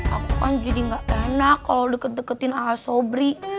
aku kan jadi gak enak kalau deket deketin ala sobri